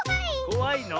こわいの？